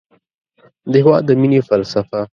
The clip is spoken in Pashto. د هېواد د مینې فلسفه